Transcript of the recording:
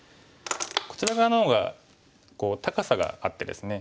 こちら側の方が高さがあってですね